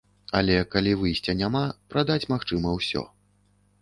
Але калі выйсця няма, прадаць магчыма ўсё.